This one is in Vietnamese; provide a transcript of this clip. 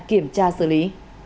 kiểm tra xử lý